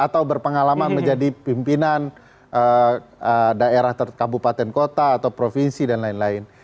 atau berpengalaman menjadi pimpinan daerah kabupaten kota atau provinsi dan lain lain